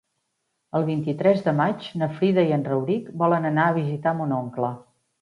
El vint-i-tres de maig na Frida i en Rauric volen anar a visitar mon oncle.